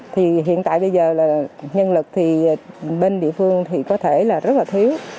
thì hiện tại bây giờ là nhân lực thì bên địa phương thì có thể là rất là thiếu